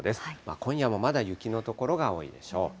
今夜もまだ雪の所が多いでしょう。